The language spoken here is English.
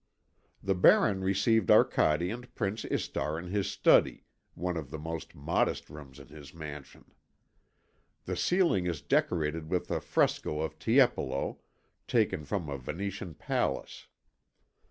The Baron received Arcade and Prince Istar in his study, one of the most modest rooms in his mansion. The ceiling is decorated with a fresco of Tiepolo, taken from a Venetian palace.